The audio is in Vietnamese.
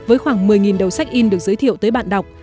với khoảng một mươi đầu sách in được giới thiệu tới bạn đọc